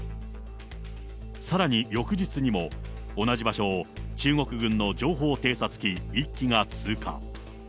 さらに翌日にも、同じ場所を中国軍の情報偵察機１機が通過。